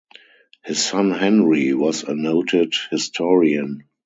His son Henry was a noted historian.